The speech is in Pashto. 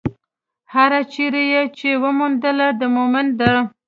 هره چېرې يې چې وموندله، د مؤمن ده.